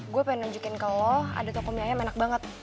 gue pengen nunjukin ke lo ada toko mie ayam enak banget